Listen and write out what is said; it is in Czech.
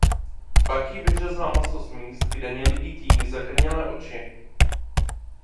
Pak ji vyřezal maso z míst kde měly být její zakrnělé oči.